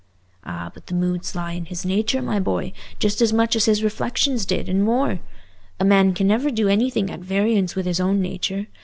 "Ah, but the moods lie in his nature, my boy, just as much as his reflections did, and more. A man can never do anything at variance with his own nature.